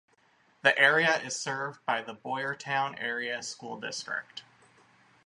The area is served by the Boyertown Area School District.